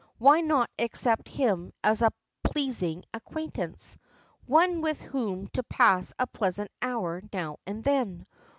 Why not accept him as a pleasing acquaintance. One with whom to pass a pleasant hour now and then.